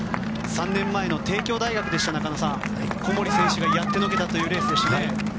３年前の帝京大学でした中野さん小森選手がやってのけたというレースでした。